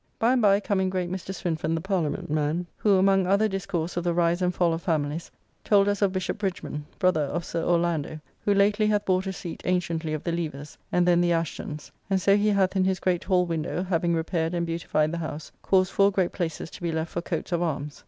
By and by come in great Mr. Swinfen, the Parliament man, who, among other discourse of the rise and fall of familys, told us of Bishopp Bridgeman (brother of Sir Orlando) who lately hath bought a seat anciently of the Levers, and then the Ashtons; and so he hath in his great hall window (having repaired and beautified the house) caused four great places to be left for coates of armes.